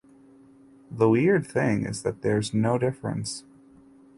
The weird thing is that there’s no difference.